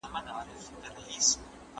د کور تشناب کې صابون موجود وي.